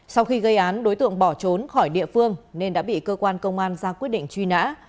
sau khi gây án đối tượng bỏ trốn khỏi địa phương nên đã bị cơ quan công an ra quyết định truy nã